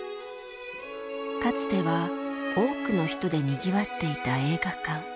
かつては多くの人でにぎわっていた映画館。